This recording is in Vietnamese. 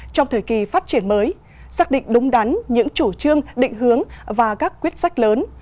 trong thời kỳ phát triển mới xác định đúng đắn những chủ trương định hướng và các quyết sách lớn